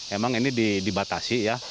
emang ini dibatasi ya